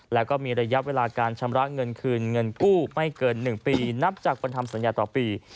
แล้วก็มีระยะเวลาการชำระเงินคืนเงินกู้ไม่เกิน๑ปีนับจากวันทำสัญญาต่อปี